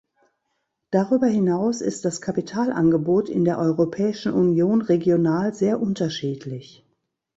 Darüber hinaus ist das Kapitalangebot in der Europäischen Union regional sehr unterschiedlich.